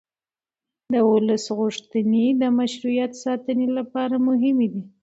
د ولس غوښتنې د مشروعیت ساتنې لپاره مهمې دي